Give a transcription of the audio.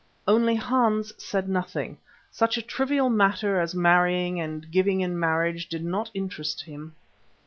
Only Hans said nothing. Such a trivial matter as marrying and giving in marriage did not interest him.